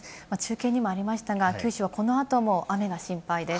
中継にもありましたが、九州はこのあとも雨が心配です。